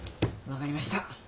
分かりました。